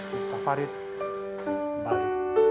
mesta farid balik